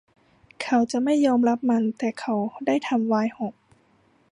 เขาจะไม่ยอมรับมัน แต่เขาได้ทำไวน์หก